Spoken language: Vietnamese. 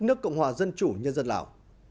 nước cộng hòa dân chủ nhân dân lào